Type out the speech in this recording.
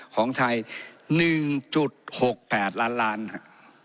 ของไทยหนึ่งจุดหกแปดล้านล้านฮะ